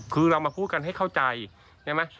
คือเรามาพูดกันให้เข้าใจใช่ไหม